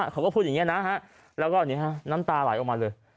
เขาก็พูดอย่างนี้นะฮะแล้วก็น้ำตาไหลออกมาเลย